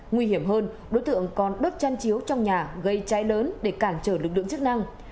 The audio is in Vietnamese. nguy hiểm hơn đối tượng còn đốt chăn chiếu trong nhà gây cháy lớn để cản trở lực lượng chức năng